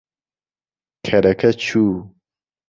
کەرەکە چوو.